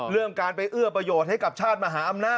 เรื่องการไปเอื้อประโยชน์ให้กับชาติมหาอำนาจ